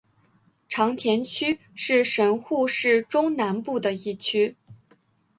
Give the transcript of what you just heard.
长田区是神户市中南部的一区。